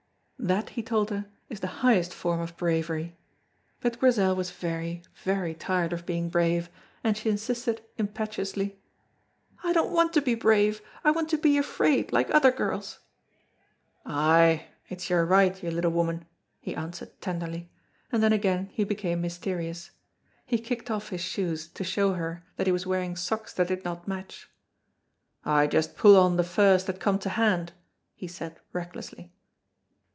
That, he told her, is the highest form of bravery, but Grizel was very, very tired of being brave, and she insisted impetuously, "I don't want to be brave, I want to be afraid, like other girls." "Ay, it's your right, you little woman," he answered, tenderly, and then again he became mysterious. He kicked off his shoes to show her that he was wearing socks that did not match. "I just pull on the first that come to hand," he said recklessly.